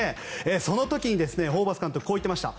その時にホーバス監督はこう言っていました。